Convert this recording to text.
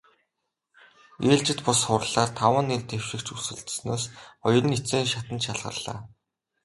Ээлжит бус хурлаар таван нэр дэвшигч өрсөлдсөнөөс хоёр нь эцсийн шатанд шалгарлаа.